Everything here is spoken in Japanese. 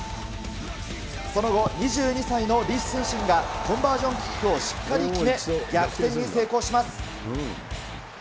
その後、２２歳の李すんしんがコンバージョンキックをしっかり決め、逆転に成功します。